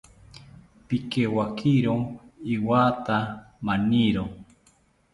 Pikewakiro iwatha maniro